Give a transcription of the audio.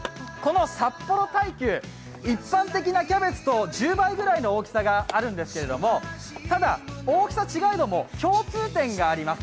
札幌大球、一般的なキャベツと１０倍ぐらいの大きさがあるんですがただ、大きさは違えども、共通点があります。